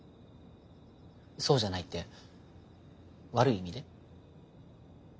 そうじゃないって悪い意味で？